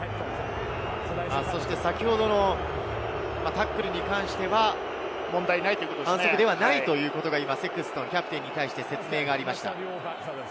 先ほどのタックルに関しては、反則ではないということがセクストン、キャプテンに説明がありました。